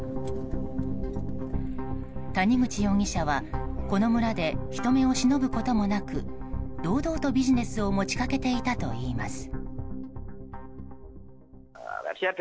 谷口容疑者はこの村で人目を忍ぶこともなく堂々とビジネスを持ち掛けていたといいます。